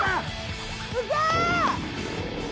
すげえ！